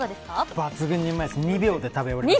抜群にうまいです。